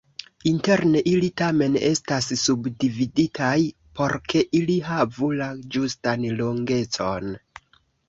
Interne ili tamen estas subdividitaj, por ke ili havu la ĝustan longecon.